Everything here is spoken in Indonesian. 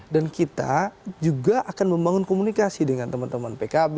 dan kita juga akan membangun komunikasi dengan teman teman pkb